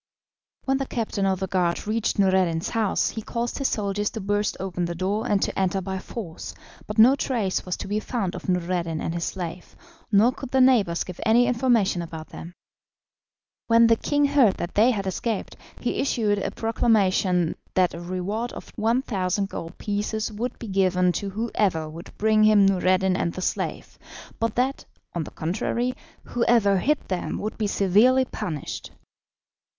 When the captain of the guard reached Noureddin's house he caused his soldiers to burst open the door and to enter by force, but no trace was to be found of Noureddin and his slave, nor could the neighbours give any information about them. When the king heard that they had escaped, he issued a proclamation that a reward of 1,000 gold pieces would be given to whoever would bring him Noureddin and the slave, but that, on the contrary, whoever hid them would be severely punished.